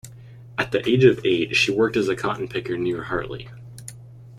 At the age of eight, she worked as a cotton-picker near Hartley.